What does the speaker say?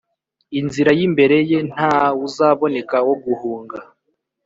inzira y imbere ye nta wuzaboneka wo guhunga